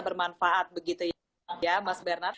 bermanfaat begitu ya mas bernard